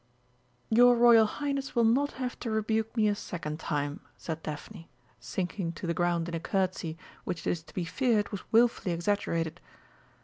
"Your Royal Highness will not have to rebuke me a second time," said Daphne, sinking to the ground in a curtsey which it is to be feared was wilfully exaggerated.